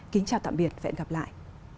kính chào tạm biệt và hẹn gặp lại